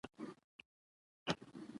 افغانستان د جواهرات له مخې پېژندل کېږي.